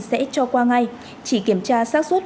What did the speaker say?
sẽ cho qua ngay chỉ kiểm tra sát xuất